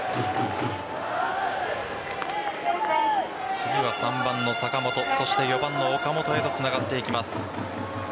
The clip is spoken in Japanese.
次は３番の坂本４番の岡本へとつながっていきます。